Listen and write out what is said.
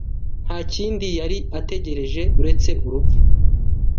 Nta kindi yari ategereje uretse urupfu.